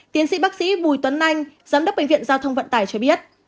tiến sĩ bác sĩ bùi tuấn anh giám đốc bệnh viện giao thông vận tải cho biết